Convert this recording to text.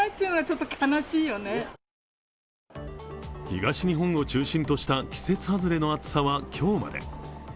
東日本を中心とした季節外れの暑さは今日まで。